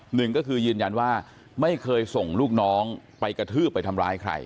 หนึ่งก็คือยืนยันว่าไม่เคยส่งลูกน้องไปกระทืบไปทำร้ายใคร